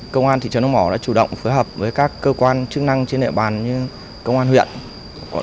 công an thị trấn đông mỏ đã chủ động phối hợp với các cơ quan chức năng trên địa bàn như công an huyện